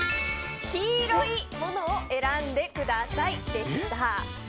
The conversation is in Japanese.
黄色いものを選んでください！でした。